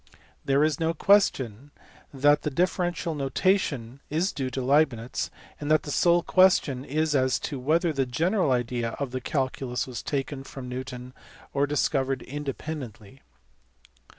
There is no question that the differential notation is due to Leibnitz, and the sole question is as to whether the general idea of the calculus was taken from Newton or discovered independently.